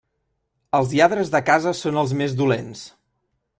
Els lladres de casa són els més dolents.